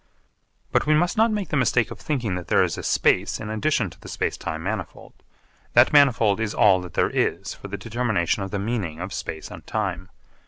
But we must not make the mistake of thinking that there is a space in addition to the space time manifold. That manifold is all that there is for the determination of the meaning of space and time.